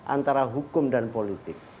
antara hukum dan politik